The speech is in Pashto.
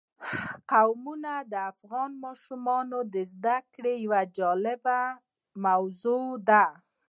قومونه د افغان ماشومانو د زده کړې یوه جالبه موضوع ده.